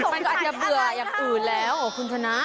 มันก็อาจจะเบื่ออย่างอื่นแล้วคุณชนะ